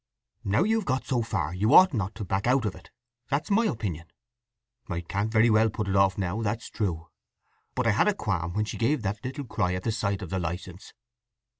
"Now you've got so far you ought not to back out of it. That's my opinion." "I can't very well put it off now; that's true. But I had a qualm when she gave that little cry at sight of the licence."